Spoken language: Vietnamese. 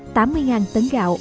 tám mươi tấn gạo